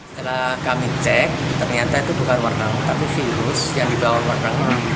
setelah kami cek ternyata itu bukan warna tapi virus yang dibawa warna